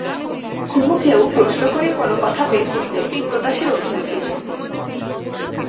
কুমুকেও প্রশ্ন করে কোনো কথা বের করতে বিপ্রদাসের অভিরুচি নেই।